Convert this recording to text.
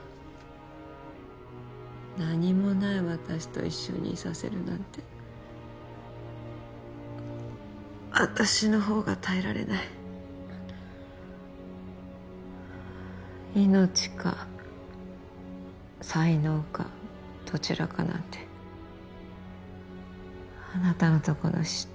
何もない私と一緒にいさせるなんて私のほうが耐えられない命か才能かどちらかなんてあなたのとこの執刀